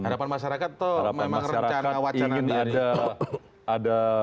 harapan masyarakat itu memang rencana wacana